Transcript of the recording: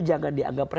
jangan dianggap remeh